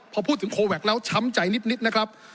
พอพูดถึงโคแวคแล้วช้ำใจนิดนะครับ